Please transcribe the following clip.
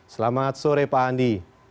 selamat sore pak andi